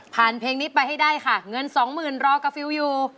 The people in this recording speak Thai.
ผ่านเพลงนี้ไปให้ได้ค่ะเงิน๒๐๐๐๐รอกาฟิวอยู่